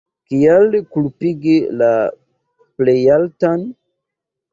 Kial kulpigi la Plejaltan?